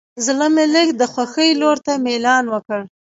زړه مې لږ د خوښۍ لور ته میلان وکړ.